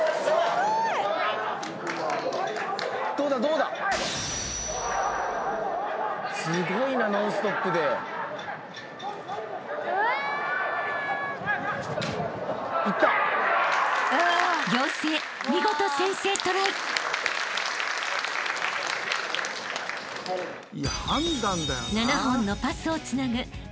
［７本のパスをつなぐ］